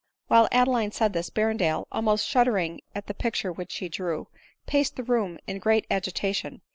While Adeline said this, Berrendale, almost shudder ing at the picture which she drew, paced the room in great agitation